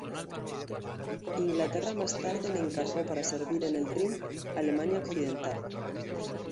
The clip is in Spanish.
Inglaterra más tarde le encargó para servir en el Rin, Alemania Occidental.